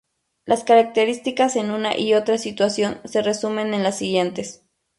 Las características en una y otra situación se resumen en las siguientes.